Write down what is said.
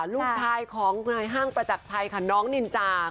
ลูกชายของนายห้างประจักรชัยค่ะน้องนินจา